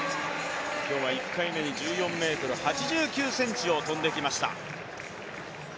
今日は１回目に１４ｍ８９ｃｍを跳んできました。